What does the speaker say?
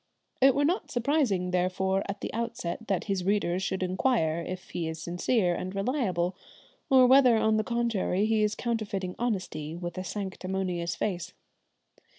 It were not surprising therefore at the outset that his readers should inquire if he is sincere and reliable, or whether on the contrary he is counterfeiting honesty with a sanctimonious face.